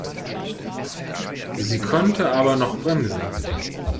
Sie konnte aber noch bremsen.